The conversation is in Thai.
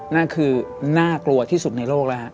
นั่นคือน่ากลัวที่สุดในโลก